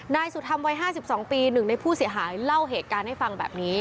นายสุธรรมวัย๕๒ปี๑ในผู้เสียหายเล่าเหตุการณ์ให้ฟังแบบนี้